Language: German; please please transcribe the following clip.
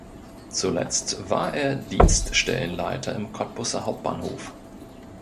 Zuletzt war er Dienststellenleiter im Cottbusser Hauptbahnhof.